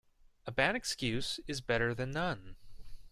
A bad excuse is better then none.